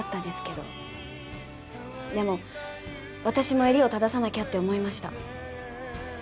でも私も襟を正さなきゃって思いました。